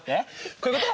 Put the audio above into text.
こういうこと？